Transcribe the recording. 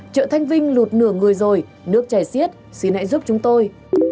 chợ thanh vinh lụt nửa người rồi nước chảy xiết xin hãy giúp chúng tôi